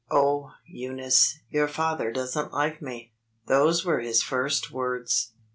"Oh, Eunice, your father doesn't like me!" Those were his first words.